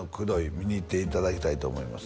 見に行っていただきたいと思います